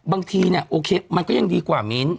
บางทีโอเคมันก็ยังดีกว่ามีน